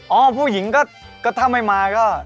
เอ้าผู้หญิงก็ทำให้มาก็